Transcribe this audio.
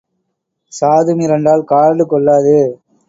சாது மிரண்டால் காடு கொள்ளாது.